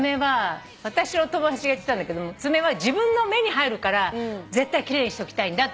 私の友達が言ってたんだけども爪は自分の目に入るから絶対奇麗にしときたいんだって。